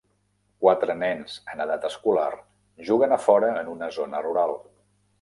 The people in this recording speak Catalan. Quatre nens en edat escolar juguen a fora en una zona rural.